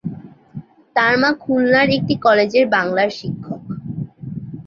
তার মা খুলনার একটি কলেজের বাংলার শিক্ষক।